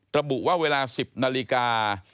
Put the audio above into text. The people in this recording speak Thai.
ระบุว่าเวลา๑๐นาฬิกา